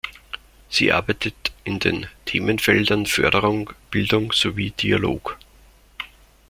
Sie arbeitet in den Themenfeldern Förderung, Bildung sowie Dialog.